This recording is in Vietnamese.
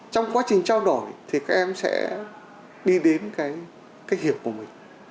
trong quá trình trao đổi thì các em sẽ đi đến cái hiểu của mình